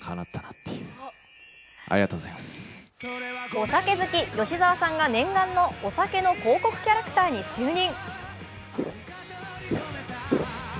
お酒好き、吉沢さんが念願の広告キャラクターに就任。